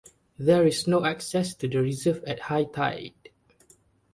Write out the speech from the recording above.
There is no access to the reserve at high tide.